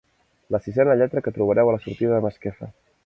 La sisena lletra que trobareu a la sortida de Masquefa.